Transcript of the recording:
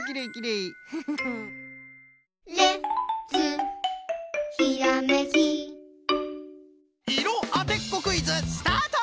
いろあてっこクイズスタート！